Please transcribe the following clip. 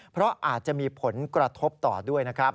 เพราะอาจจะมีผลกระทบต่อด้วยนะครับ